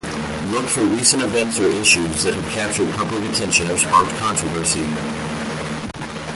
Look for recent events or issues that have captured public attention or sparked controversy.